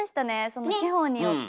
その地方によって。